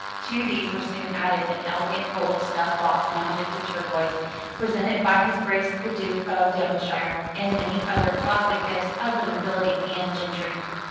To these were soon added an elegant gold snuiBf box mounted with turquoise, presented by his Grace the Duke of Devonshire, and many other costly gifts of the nobility and gentry.